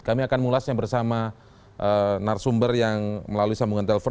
kami akan mulasnya bersama narsumber yang melalui sambungan telpon